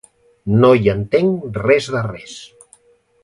No hi entenc res de res!